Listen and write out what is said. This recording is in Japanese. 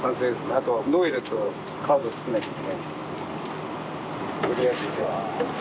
あとノエルとカード作んなきゃいけないですけど。